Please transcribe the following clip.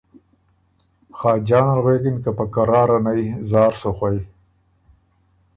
خاجان ال غوېکِن که په قراره نئ زار سُو خوئ